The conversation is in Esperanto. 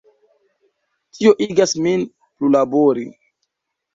Tio igas min plulabori.